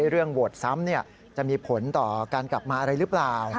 เรื่องโหวตซ้ำจะมีผลต่อการกลับมาอะไรหรือเปล่า